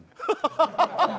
ハハハハ！